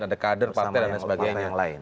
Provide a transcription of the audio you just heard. ada kader partai dan lain sebagainya